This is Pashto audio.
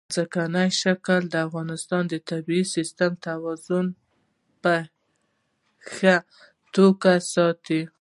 ځمکنی شکل د افغانستان د طبعي سیسټم توازن په ښه توګه ساتي.